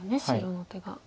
白の手が。